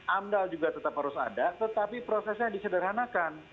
amdal juga tetap harus ada tetapi prosesnya disederhanakan